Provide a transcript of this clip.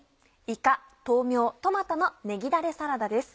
「いか豆苗トマトのねぎだれサラダ」です。